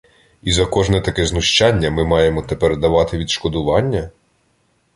І за кожне таке знущання ми маємо тепер давати відшкодування?